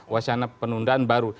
wacana penundaan baru